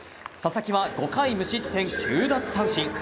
佐々木は５回無失点９奪三振。